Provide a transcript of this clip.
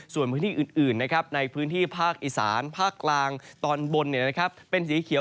ส่วนพื้นที่อื่นในพื้นที่ภาคอีสานภาคกลางตอนบนเป็นสีเขียว